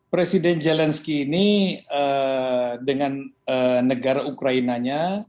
presiden zelensky ini dengan negara ukraina nya